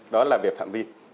đó là việc phạm vi